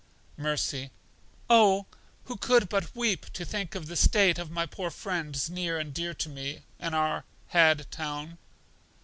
Mercy: Oh, who could but weep to think of the state of my poor friends near and dear to me, in our had town?